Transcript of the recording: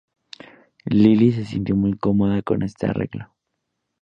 Lili se sintió muy cómoda con este arreglo.